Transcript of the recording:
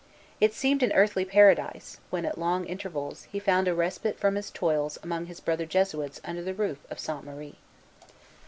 It seemed an earthly paradise, when, at long intervals, he found a respite from his toils among his brother Jesuits under the roof of Sainte Marie.